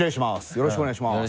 よろしくお願いします。